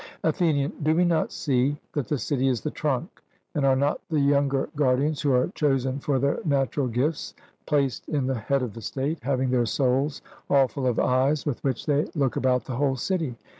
ATHENIAN: Do we not see that the city is the trunk, and are not the younger guardians, who are chosen for their natural gifts, placed in the head of the state, having their souls all full of eyes, with which they look about the whole city?